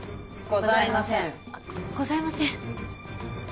あっございません。